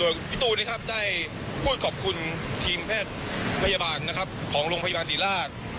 โดยคิดว่าได้พูดขอบคุณทีมแพทย์พยาบาลของโรงพยาบาลศรีราบ